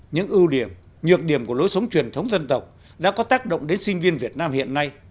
những ưu điểm nhược điểm của lối sống truyền thống dân tộc đã có tác động đến sinh viên việt nam hiện nay